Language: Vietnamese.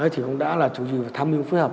thì cũng đã là chủ trì tham mưu phối hợp